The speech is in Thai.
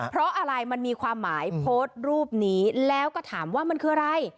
เพราะอะไรมันมีความหมายโพสต์รูปนี้แล้วก็ถามว่ามันคืออะไร